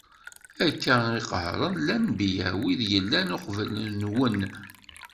Akka i qehren lenbiya, wid yellan uqbel-nwen.